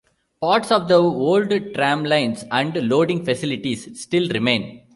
Parts of the old tramlines and loading facilities still remain.